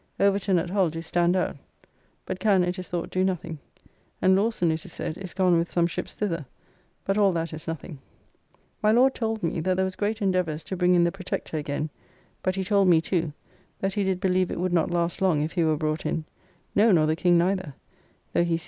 Overton at Hull do stand out, but can, it is thought, do nothing; and Lawson, it is said, is gone with some ships thither, but all that is nothing. My Lord told me, that there was great endeavours to bring in the Protector again; but he told me, too, that he did believe it would not last long if he were brought in; no, nor the King neither (though he seems to think that he will come in), unless he carry himself very soberly and well.